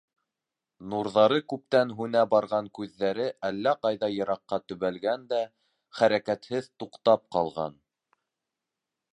Нурҙары күптән һүнә барған күҙҙәре әллә ҡайҙа йыраҡҡа төбәлгән дә, хәрәкәтһеҙ туҡтап ҡалған.